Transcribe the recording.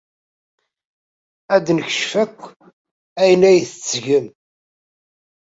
Ad d-nekcef akk ayen ay tettgem.